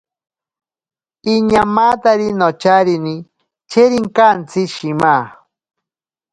Iñaamatari nocharine cherinkantsi shima.